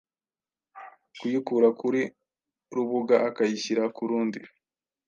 kuyikura kuri rubuga akayishyira kurundi,